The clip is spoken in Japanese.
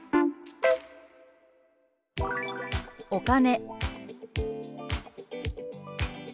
「お金」。